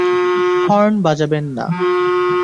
Horn বাজাবেন না।